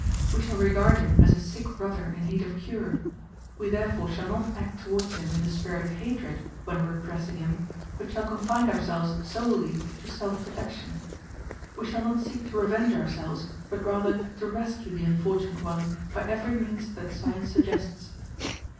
We shall regard him as a sick brother in need of cure. We therefore shall not act towards him in the spirit of hatred, when repressing him, but shall confine ourselves solely to self protection. We shall not seek to revenge ourselves, but rather to rescue the unfortunate one by every means that science suggests.